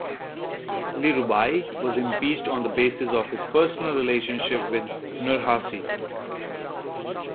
Li Rubai was impeached on the basis of his personal relationship with Nurhaci.